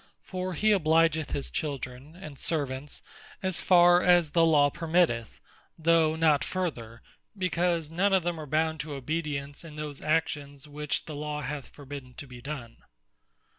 For he obligeth his Children, and Servants, as farre as the Law permitteth, though not further, because none of them are bound to obedience in those actions, which the Law hath forbidden to be done.